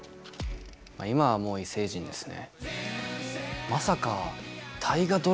今は、もう「偉生人」ですね。